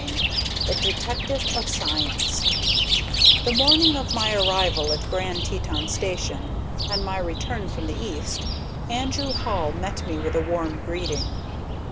IX THE DETECTIVE OF SCIENCE The morning of my arrival at Grand Teton station, on my return from the East, Andrew Hall met me with a warm greeting.